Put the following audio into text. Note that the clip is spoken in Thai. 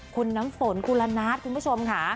คุณน้ำฝนกุลนาทคุณผู้ชมค่ะ